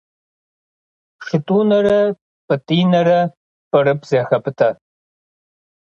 Шытӏунэрэ Пӏытӏинэрэ пӏырыпӏ зэхапӏытӏэ.